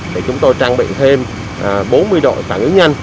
thì chúng tôi trang bị thêm bốn mươi đội phản ứng nhanh